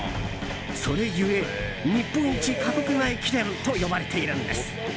それゆえ日本一過酷な駅伝と呼ばれているんです。